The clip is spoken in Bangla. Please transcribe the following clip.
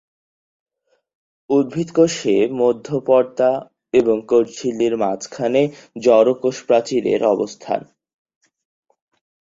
দর্শনে গণিতের সূত্র প্রয়োগে তিনিই ছিলেন পথিকৃৎ।